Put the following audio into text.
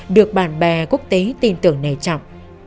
được bạn bè quốc tế tin tưởng này chọc